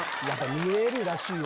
見えるらしいよ